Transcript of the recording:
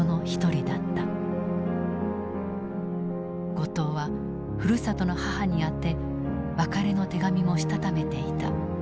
後藤はふるさとの母に宛て別れの手紙もしたためていた。